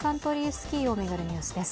スキーを巡るニュースです。